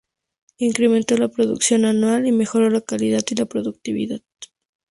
Incrementó la producción anual y mejoró la calidad y la productividad.